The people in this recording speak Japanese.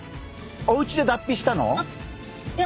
おうちで脱皮したの？